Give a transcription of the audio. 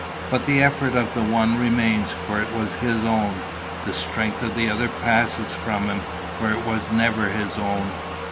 But the effort of the one remains, for it was his own; the strength of the other passes from him, for it was never his own.